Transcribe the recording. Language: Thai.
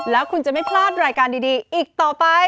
แล้วคุณจะไม่พลาดรายการดีอีกต่อไป